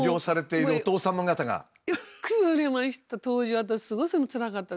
当時は私すごくつらかったです。